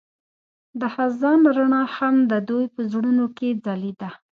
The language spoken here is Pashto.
د خزان رڼا هم د دوی په زړونو کې ځلېده.